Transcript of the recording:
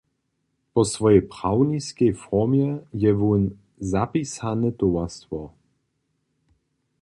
Po swojej prawniskej formje je wón zapisane towarstwo.